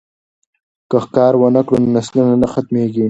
که ښکار ونه کړو نو نسلونه نه ختمیږي.